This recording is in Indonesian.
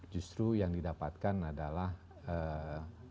justru yang didapatkan adalah ee